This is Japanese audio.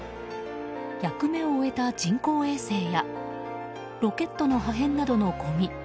役目を終えた人工衛星やロケットの破片などのごみ